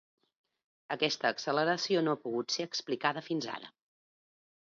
Aquesta acceleració no ha pogut ser explicada fins ara.